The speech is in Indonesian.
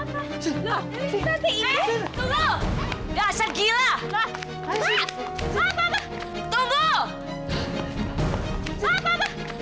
bicara tentang apa pak